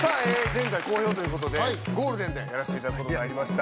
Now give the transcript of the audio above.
前回好評ということでゴールデンでやらせていただくことになりました